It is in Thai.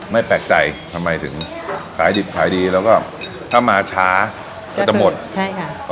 ไม่แปลกใจทำไมถึงขายดิบขายดีแล้วก็ถ้ามาช้าก็จะหมดใช่ค่ะ